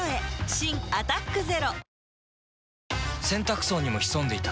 新「アタックＺＥＲＯ」洗濯槽にも潜んでいた。